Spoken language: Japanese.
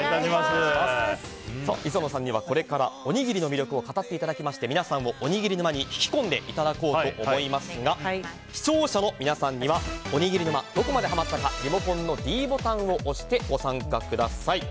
磯野さんにはこれからおにぎりの魅力を語っていただきまして皆さんを、おにぎり沼に引き込んでいただこうと思いますが視聴者の皆さんにはおにぎり沼、どこまでハマったかリモコンのｄボタンを押してご参加ください。